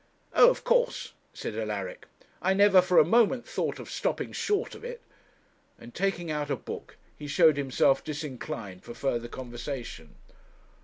'Oh! of course,' said Alaric. 'I never for a moment thought of stopping short of it;' and, taking out a book, he showed himself disinclined for further conversation.